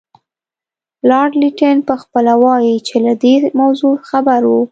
لارډ لیټن پخپله وایي چې له دې موضوع خبر وو.